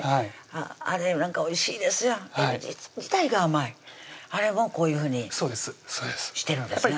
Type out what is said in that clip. あれおいしいですやんえび自体が甘いあれもこういうふうにしてるんですね